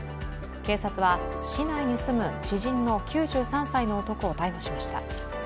警察は、市内に住む知人の９３歳の男を逮捕しました。